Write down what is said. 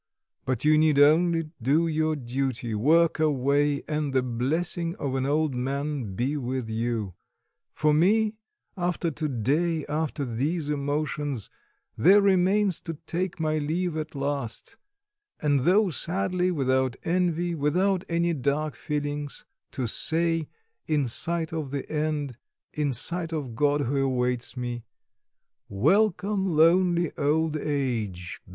but you need only do your duty, work away, and the blessing of an old man be with you. For me, after to day, after these emotions, there remains to take my leave at last, and though sadly, without envy, without any dark feelings, to say, in sight of the end, in sight of God who awaits me: 'Welcome, lonely old age!